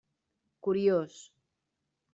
Curiós.